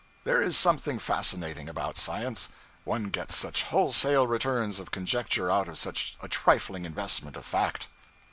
There is something fascinating about science. One gets such wholesale returns of conjecture out of such a trifling investment of fact.